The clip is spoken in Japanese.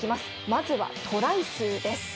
まずはトライ数です。